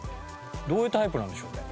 どういうタイプなんでしょうね？